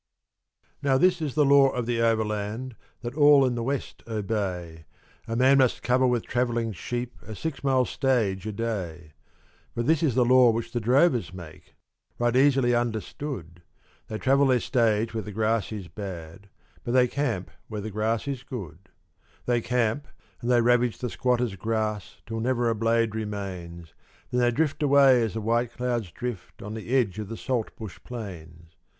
_) Now this is the law of the Overland, that all in the West obey, A man must cover with travelling sheep a six mile stage a day; But this is the law which the drovers make, right easily understood. They travel their stage where the grass is bad, but they camp where the grass is good; They camp, and they ravage the squatter's grass till never a blade remains, Then they drift away as the white clouds drift on the edge of the saltbush plains.